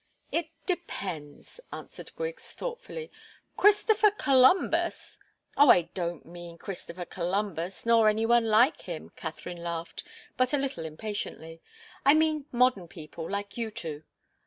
"It depends " answered Griggs, thoughtfully. "Christopher Columbus " "Oh, I don't mean Christopher Columbus, nor any one like him!" Katharine laughed, but a little impatiently. "I mean modern people, like you two."